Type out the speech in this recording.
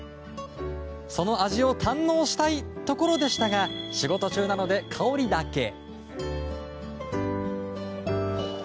その味を堪能したいところでしたが仕事中なので香りだけ。